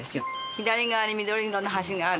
左側に緑色の橋がある。